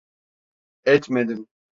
Etmedim.